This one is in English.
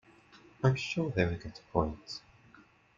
I'm sure they would get a point!